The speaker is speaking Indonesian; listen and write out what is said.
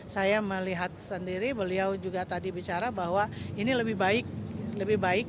saya melihat sendiri beliau juga tadi bicara bahwa ini lebih baik lebih baik